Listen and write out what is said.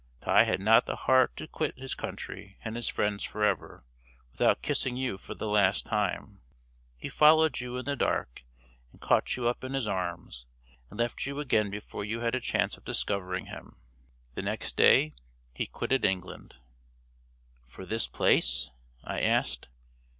He had not the heart to quit his country and his friends forever without kissing you for the last time. He followed you in the dark, and caught you up in his arms, and left you again before you had a chance of discovering him. The next day he quitted England." "For this place?" I asked.